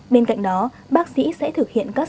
bên cạnh đó bác sĩ sẽ thực hiện các bài hỏi